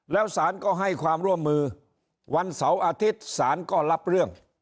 แล้วสารก็ให้ความร่วมมือวันเสาร์อาทิตย์สารก็รับเรื่อง